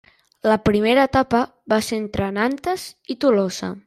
La primera etapa va ser entre Nantes i Tolosa.